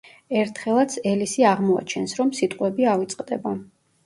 ერთხელაც ელისი აღმოაჩენს, რომ სიტყვები ავიწყდება.